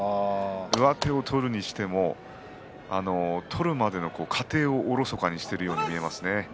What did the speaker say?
上手を取るにしても取るまでの過程をおろそかにしているように見えます。